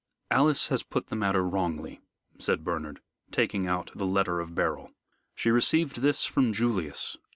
"Alice has put the matter wrongly," said Bernard, taking out the letter of Beryl. "She received this from Julius.